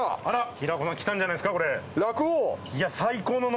平子さんきたんじゃないですかこれ？